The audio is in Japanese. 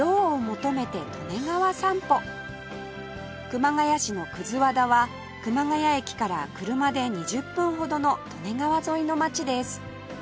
熊谷市の和田は熊谷駅から車で２０分ほどの利根川沿いの町です